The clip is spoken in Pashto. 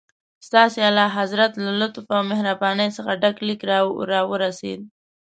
ستاسي اعلیحضرت له لطف او مهربانۍ څخه ډک لیک راورسېد.